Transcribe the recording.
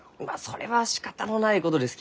それはしかたのないことですき。